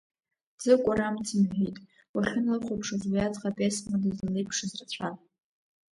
Ӡыкәыр амц имҳәеит уахьыналыхәаԥшуаз уи аӡӷаб, Есма дызлалеиԥшыз рацәан…